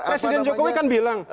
presiden jokowi kan bilang